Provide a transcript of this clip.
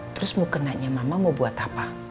terus mau ke nanya mama mau buat apa